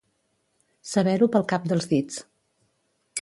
Saber-ho pel cap dels dits.